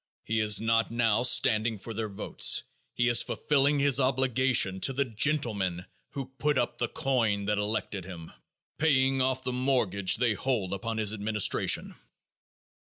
He is not now standing for their votes. He is fulfilling his obligation to the gentlemen (!) who put up the coin that elected him; paying off the mortgage they hold upon his administration.